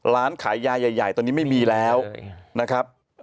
ร้านขายยาใหญ่ตอนนี้ไม่มีแล้วนะครับ